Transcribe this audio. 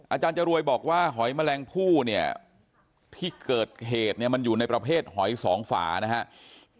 อาจารย์จรวยบอกว่าหอยแมลงผู้เนี่ยที่เกิดเหตุเนี่ยมันอยู่ในประเภทหอยสองฝานะครับ